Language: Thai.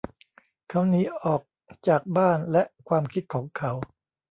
เขาหนีออกจากบ้านและความคิดของเขา